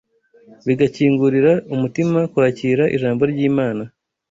Bigakingurira umutima kwakira ijambo ry’Imana,